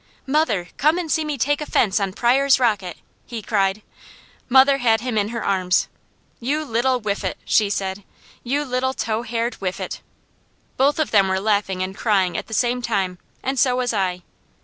"Mother, come and see me take a fence on Pryor's Rocket!" he cried. Mother had him in her arms. "You little whiffet!" she said. "You little tow haired whiffet!" Both of them were laughing and crying at the same time, and so was I.